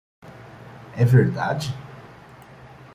É verdade?